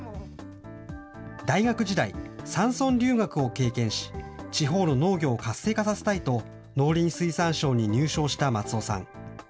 大学時代、山村留学を経験し、地方の農業を活性化させたいと、農林水産省に入省した松尾さん。